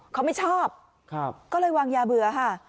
เขาไม่ชอบก็เลยวางยาเบื่อค่ะ